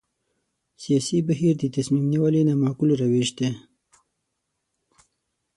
سیاسي بهیر د تصمیم نیونې نامعقول روش دی.